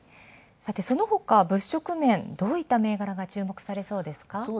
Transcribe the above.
そのほか、物色面はどういった銘柄が注目されますか？